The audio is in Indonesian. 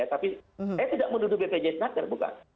tapi saya tidak menuduh bpjs naker bukan